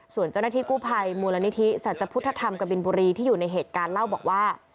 ส่วนเจ้าหน้าที่กู้ภัยมูลนิธิสัจพุทธธรรมกบินบุรีที่อยู่ในเหตุการณ์เล่าบอกว่า